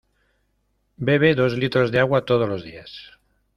Bebe dos litros de agua, todos los días.